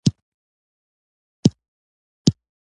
مستحب عمل هم مه پریږده او کوښښ وکړه چې ترسره یې کړې